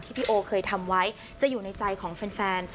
พี่โอเคยทำไว้จะอยู่ในใจของแฟน